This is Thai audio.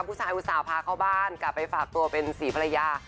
อุตส่าห์พาเข้าบ้านกลับไปฝากตัวเป็นศรีภรรยา